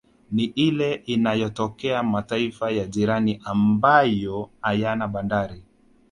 Ni ile inayotokea mataifa ya jirani ambayo hayana bandari